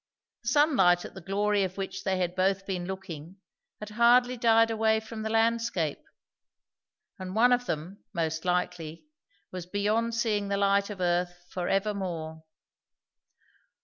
The sunlight at the glory of which they had both been looking, had hardly died away from the landscape; and one of them, most likely, was beyond seeing the light of earth forevermore.